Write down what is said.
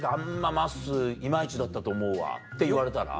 まっすー今イチだったと思うわ」って言われたら？